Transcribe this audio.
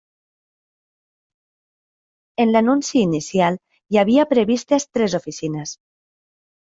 En l'anunci inicial, hi havia previstes tres oficines.